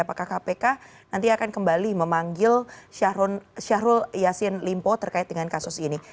apakah kpk nanti akan kembali memanggil syahrul yassin limpo terkait dengan kasus ini